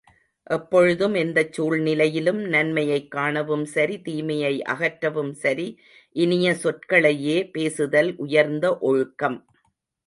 எப்பொழுதும் எந்தச் சூழ்நிலையிலும் நன்மையைக் காணவும் சரி, தீமையை அகற்றவும் சரி இனிய சொற்களையே பேசுதல் உயர்ந்த ஒழுக்கம்.